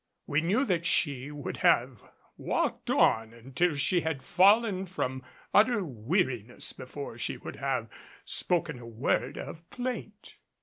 We knew that she would have walked on until she had fallen from utter weariness before she would have spoken a word of plaint.